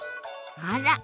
あら。